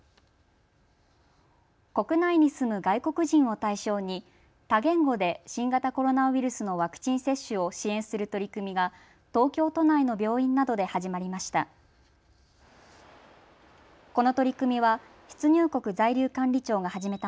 国内に住む外国人を対象に多言語で新型コロナウイルスのワクチン接種を支援する取り組みが東京都内の病院などで始まりました。